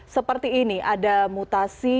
seperti ini ada mutasi